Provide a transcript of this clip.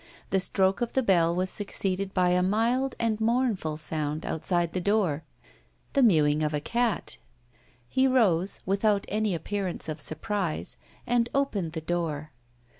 The stroke of the bell was succeeded by a mild and mournful sound outside the door the mewing of a cat. He rose, without any appearance of surprise, and opened the door.